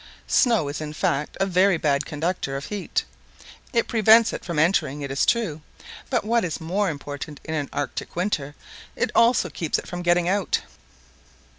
Snow is, in fact, a very bad conductor of beat: it prevents it from entering, it is true; but, what is more important in an Arctic winter, it also keeps it from getting out.